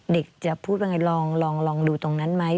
เด็กจะพูดว่าไงลองดูตรงนั้นไหม